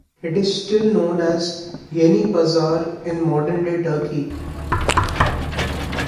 It is still known as "Yeni Pazar" in modern-day Turkey.